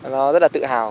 nó rất là tự hào